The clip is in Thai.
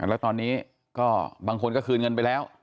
แล้วตอนนี้ก็บางคนก็คืนเงินไปแล้ว